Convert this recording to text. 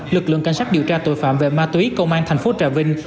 lực lượng cảnh sát điều tra tội phạm về ma túy công an thành phố trà vinh